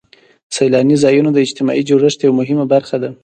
سیلاني ځایونه د اجتماعي جوړښت یوه مهمه برخه ده.